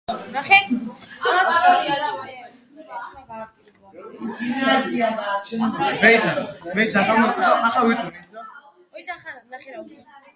Around the band gap, the Faraday effect shows resonance behavior.